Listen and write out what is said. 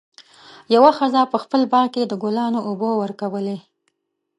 یوه ښځه په خپل باغ کې د ګلانو اوبه ورکولې.